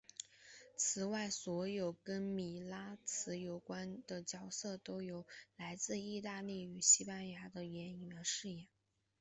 此外所有跟米拉兹有关的角色都是由来自义大利与西班牙的演员饰演。